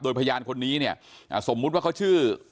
โดยพยานคนนี้สมมุติว่าเขาชื่อ